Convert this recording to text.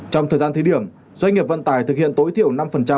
trong thời gian thí điểm doanh nghiệp vận tải thực hiện tối thiểu năm